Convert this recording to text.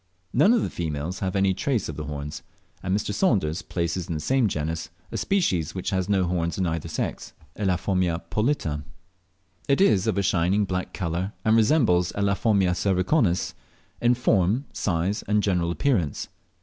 None of the females have any trace of the horns, and Mr. Saunders places in the same genus a species which has no horns in either sex (Elaphomia polita). It is of a shining black colour, and resembles Elaphomia cervicornis in form, size, and general appearance.